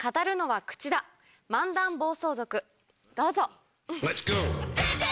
どうぞ。